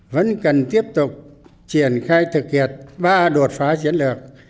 vẫn cần tiếp tục triển khai thực hiện ba đột phá chiến lược